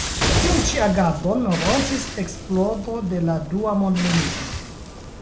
Tiun ĉi agadon rompis eksplodo de la dua mondmilito.